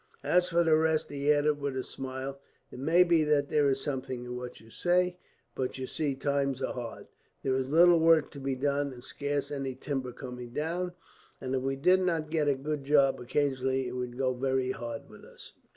"As for the rest," he added with a smile, "it may be that there is something in what you say; but you see, times are hard. There is little work to be done, and scarce any timber coming down; and if we did not get a good job, occasionally, it would go very hard with us."